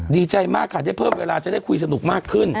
ดีใจมากค่ะได้เพิ่มเวลาจะได้คุยสนุกมากขึ้น